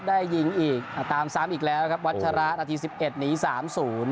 ได้ยิงอีกอ่าตามซ้ำอีกแล้วครับวัชระนาทีสิบเอ็ดหนีสามศูนย์